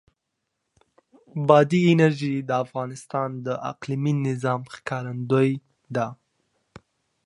بادي انرژي د افغانستان د اقلیمي نظام ښکارندوی ده.